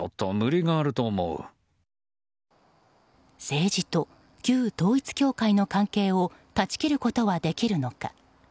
政治と旧統一教会の関係を断ち切ることはできるのか。